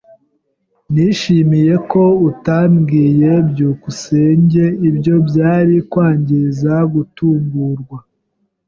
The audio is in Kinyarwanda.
Nishimiye ko utabwiye byukusenge. Ibyo byari kwangiza gutungurwa.